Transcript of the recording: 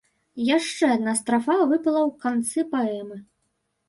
Яшчэ адна страфа выпала ў канцы паэмы.